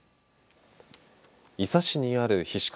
伊佐市にある菱刈